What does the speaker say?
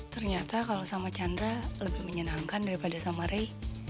ternyata kalau sama chandra lebih menyenangkan daripada sama ray